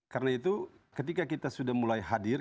karena itu ketika kita sudah mulai hadir